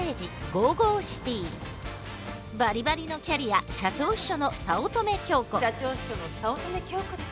バリバリのキャリア社長秘書の早乙女京子です。